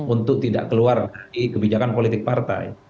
untuk tidak keluar dari kebijakan politik partai